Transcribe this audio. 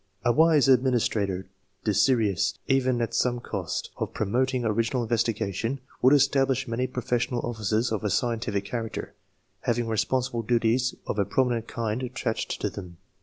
A wise adminis trator, desirous, even at some cost, of promoting original investigation, would establish many professional oflSces of a scientific character, having responsible duties of a prominent kind attached to them.